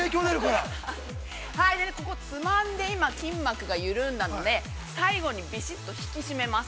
◆では、ここをつまんで、今、筋膜が緩んだので、最後に、びしっと、引き締めます。